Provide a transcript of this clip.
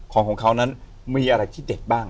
ของเขานั้นมีอะไรที่เด็ดบ้าง